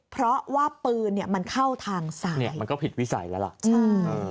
เพราะว่าปืนเนี่ยมันเข้าทางซ้ายเนี่ยมันก็ผิดวิสัยแล้วล่ะใช่